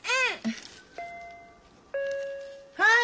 はい！